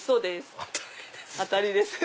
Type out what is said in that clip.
当たりです。